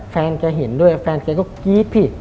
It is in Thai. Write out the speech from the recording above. แฟนมันเห็นด้วยแฟนกิ๊ฟ